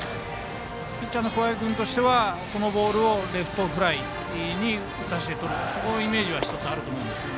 ピッチャーの桑江君としてはそのボールをレフトフライに打たせてとるイメージはあると思います。